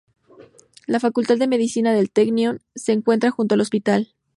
La facultad de medicina del Technion se encuentra junto al hospital.